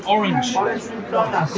tidak ini merah